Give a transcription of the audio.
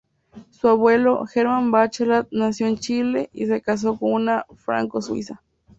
Su abuelo, Germán Bachelet, nació en Chile y se casó con una franco-suiza.